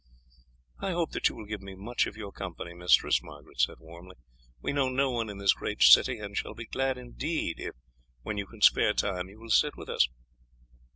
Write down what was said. "I hope that you will give me much of your company, mistress," Margaret said warmly. "We know no one in this great city, and shall be glad indeed if, when you can spare time, you will sit with us."